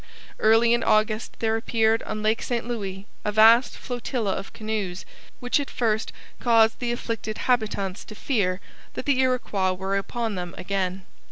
Early in August there appeared on Lake St Louis a vast flotilla of canoes, which at first caused the afflicted habitants to fear that the Iroquois were upon them again.